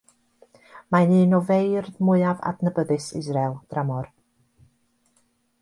Mae'n un o feirdd mwyaf adnabyddus Israel dramor.